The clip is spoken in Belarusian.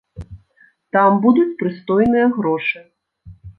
Там будуць прыстойныя грошы.